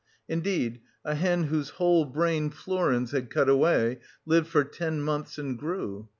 Indeed a hen whose whole brain Flourens had cut away lived for ten months and grew.